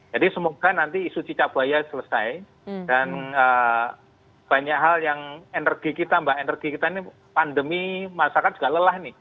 jadi semoga nanti isu cicak buaya selesai dan banyak hal yang energi kita mbak energi kita ini pandemi masyarakat juga lelah nih